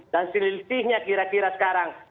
dan selisihnya kira kira sekarang